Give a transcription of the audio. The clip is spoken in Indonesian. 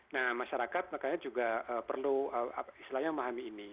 nah masyarakat makanya juga perlu istilahnya memahami ini